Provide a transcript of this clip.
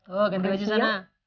oh ganti baju sana